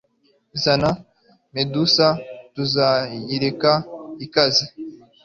Zana Medusa Tuzayireka ikaze